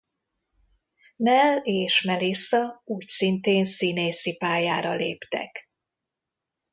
Nell és Melissa úgyszintén színészi pályára léptek.